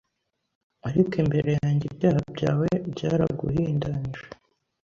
ariko imbere yanjye ibyaha byawe byaraguhindanije